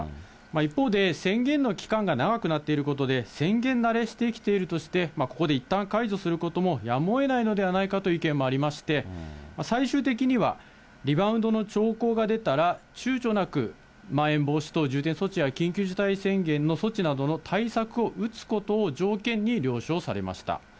一方で、宣言の期間が長くなっていることで、宣言慣れしてきているとして、ここでいったん解除することもやむをえないのではないかという意見もありまして、最終的にはリバウンドの兆候が出たら、ちゅうちょなくまん延防止等重点措置や、緊急事態宣言の措置などの対策を打つことを条件に了承されました。